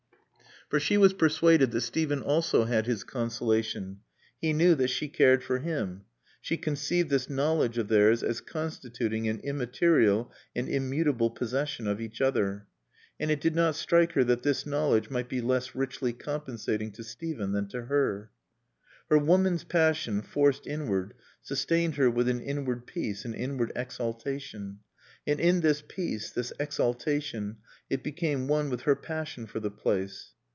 For she was persuaded that Steven also had his consolation. He knew that she cared for him. She conceived this knowledge of theirs as constituting an immaterial and immutable possession of each other. And it did not strike her that this knowledge might be less richly compensating to Steven than to her. Her woman's passion, forced inward, sustained her with an inward peace, an inward exaltation. And in this peace, this exaltation, it became one with her passion for the place.